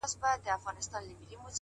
• زړه لکه هينداره ښيښې گلي ـ